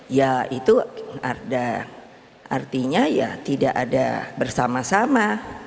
ya itu artinya ya tidak ada bersama sama